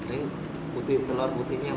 ini putih keluar putihnya